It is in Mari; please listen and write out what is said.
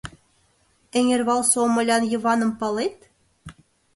— Эҥервалсе Омылян Йываным палет?